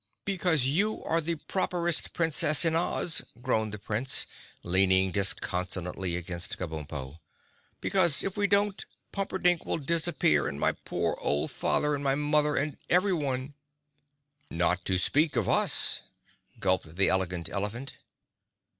"Because you are the properest Princess in Oz," groaned the Prince, leaning disconsolately against Kabumpo. "Because if we don't Pumperdink will disappear and my poor old father and my mother and everyone." "Not to speak of us," gulped the Elegant Elephant.